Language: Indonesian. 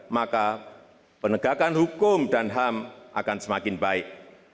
maka penegakan hukum dan ham akan semakin baik